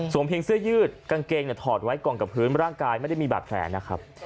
เพียงเสื้อยืดกางเกงถอดไว้กองกับพื้นร่างกายไม่ได้มีบาดแผลนะครับ